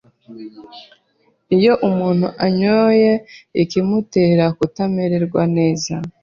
iyo umuntu anyoye ikimutera kutamererwa neza